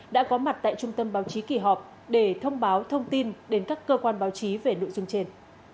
đã có mặt tại trung tâm báo chí kỳ họp để thông báo thông tin đến các cơ quan báo chí về nội dung trên